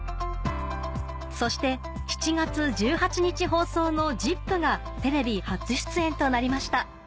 そして７月１８日放送の『ＺＩＰ！』がテレビ初出演となりました